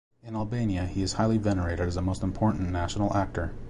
In Albania he is highly venerated as a most important national actor.